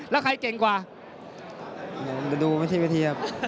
แล้วใครเก่งกว่าเดี๋ยวดูไปที่ประทีครับ